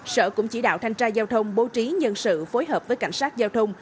sở cũng chỉ đạo thanh tra giao thông bố trí nhân sự phối hợp với cảnh sát giao thông